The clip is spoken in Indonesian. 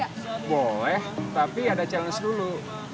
ada lemah lemaan plank